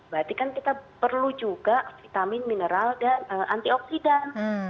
berarti kan kita perlu juga vitamin mineral dan antioksidan